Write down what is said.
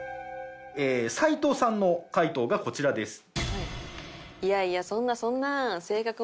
齊藤さんの回答がこちらです。